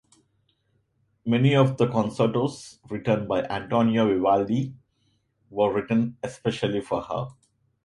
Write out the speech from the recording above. Many of the concertos written by Antonio Vivaldi were written especially for her.